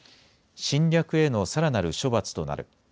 侵略へのさらなる処罰となる。